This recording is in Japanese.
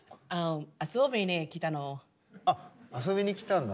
遊びに来たの。